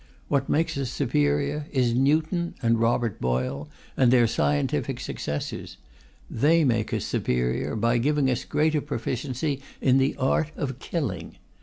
What makes us superior is Newton and Robert Boyle and their scientific successors. They make us superior by giving us greater proficiency in the art of killing.